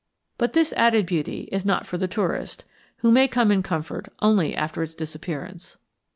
But this added beauty is not for the tourist, who may come in comfort only after its disappearance.